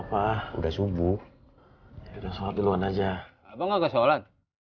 kenapa udah subuh ada soal duluan aja apa nggak kesalahan